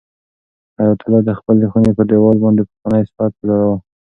حیات الله د خپلې خونې په دېوال باندې پخوانی ساعت وځړاوه.